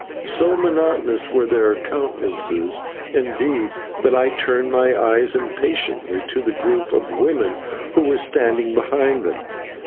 So monotonous were their countenances, indeed, that I turned my eyes impatiently to the group of women who were standing behind them.